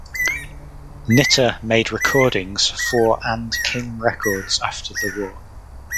Nitta made recordings for and King Records after the war.